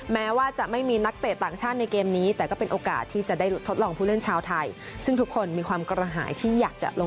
แม้ว่าจะไม่มีนักเตะต่างชาติในเกมนี้แต่ก็เป็นโอกาสที่จะได้ทดลองผู้เล่นชาวไทย